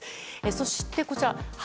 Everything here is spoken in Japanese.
そしてこちら「＃